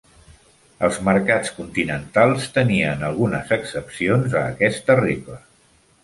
Els mercats continentals tenien algunes excepcions a aquesta regla.